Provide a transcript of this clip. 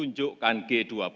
ini adalah salah satu kemungkinan